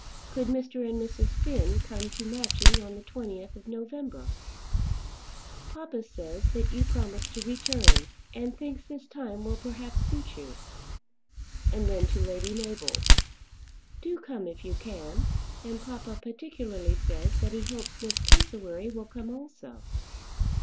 Could Mr. and Mrs. Finn come to Matching on the 20th of November? "Papa says that you promised to return, and thinks this time will perhaps suit you." And then to Lady Mabel: "Do come if you can; and papa particularly says that he hopes Miss Cassewary will come also."